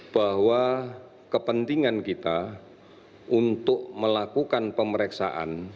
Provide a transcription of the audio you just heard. bahwa kepentingan kita untuk melakukan pemeriksaan